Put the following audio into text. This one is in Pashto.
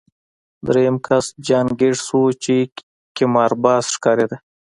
درېیم کس جان ګیټس و چې قمارباز ښکارېده